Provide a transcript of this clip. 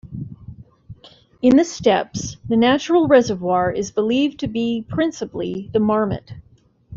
In the steppes, the natural reservoir is believed to be principally the marmot.